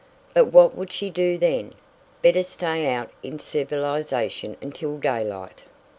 But what would she do then? Better stay out in civilization until daylight."